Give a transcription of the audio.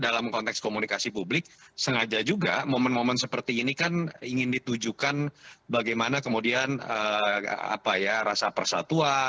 dalam konteks komunikasi publik sengaja juga momen momen seperti ini kan ingin ditujukan bagaimana kemudian rasa persatuan